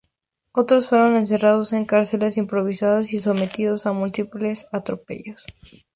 Otros fueron encerrados en cárceles improvisadas y sometidos a múltiples atropellos.